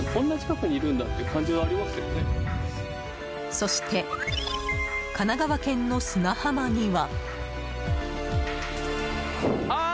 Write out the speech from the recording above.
そして、神奈川県の砂浜には。